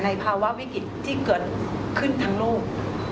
ภาวะวิกฤตที่เกิดขึ้นทั้งโลก